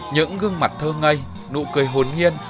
những gương mặt thơ ngây nụ cười hồn nhiên